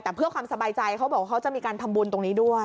แต่เพื่อความสบายใจเขาบอกว่าเขาจะมีการทำบุญตรงนี้ด้วย